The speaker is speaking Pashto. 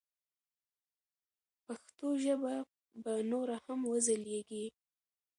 پښتو ژبه به نوره هم وځلیږي.